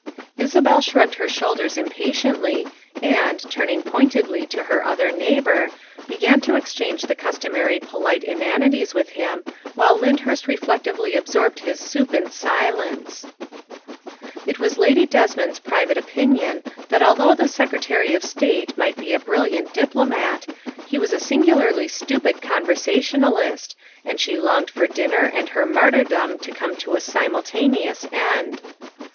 '' Isabel shrugged her shoulders impatiently and, turn ing pointedly to her other neighbor, began to exchange the customary polite inanities with him, while Lynd hurst reflectively absorbed his soup in silence. It was Lady Desmond's private opinion that although the Secretary of State might be a brilliant diplomat, he was a singularly stupid conversationalist, and she longed for dinner and her martyrdom to come to a simultaneous end.